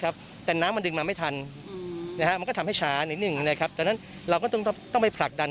เพราะฉะนั้นเราก็ต้องไปผลักดัน